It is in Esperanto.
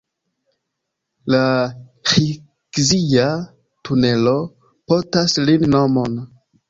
La Ĥizkija-tunelo portas lin nomon.